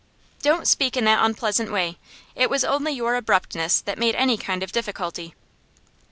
'Don't speak in that unpleasant way! It was only your abruptness that made any kind of difficulty.